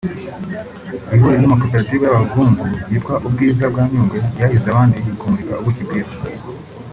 Ihuriro ry’amakoperative y’abavumvu ryitwa ‘Ubwiza bwa Nyungwe’ ryahize abandi mu kumurika ubuki bwiza